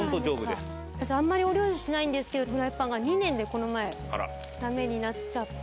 あんまりお料理しないんですがフライパンが２年でこの前駄目になっちゃって。